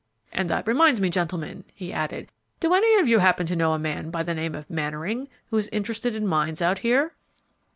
And that reminds me, gentlemen," he added, "do any of you happen to know a man by the name of Mannering, who is interested in mines out here?"